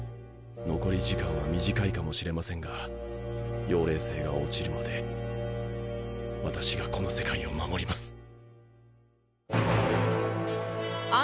残り時間は短いかもしれませんが妖霊星が落ちるまで私がこの世界を守ります！